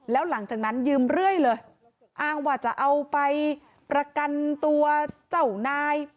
แล้วหลังจากนั้นยืมเรื่อยเลยอ้างว่าจะเอาไปประกันตัวเจ้านาย